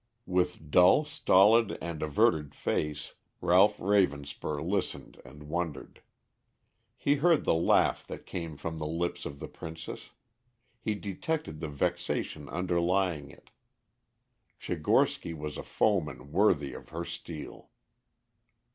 With dull, stolid and averted face, Ralph Ravenspur listened and wondered. He heard the laugh that came from the lips of the Princess; he detected the vexation underlying it. Tchigorsky was a foeman worthy of her steel.